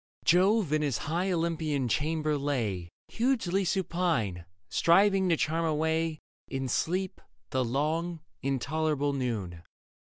Jove in his high Olympian chamber lay Hugely supine, striving to charm away In sleep the long, intolerable noon.